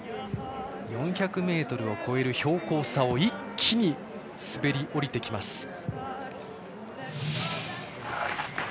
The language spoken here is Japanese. ４００ｍを超える標高差を一気に滑り降りてきます。